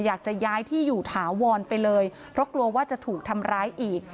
อยากจะย้ายที่อยู่ถาวรไปเลยเพราะกลัวว่าจะถูกทำร้ายอีก